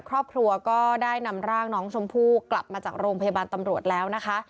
ครอบครัวก็ได้นำร่างน้องชมพู่กลับมาจากโรงพยาบาลตำรวจแล้วนะคะ